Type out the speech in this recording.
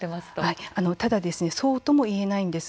ただそうとも言えないんです。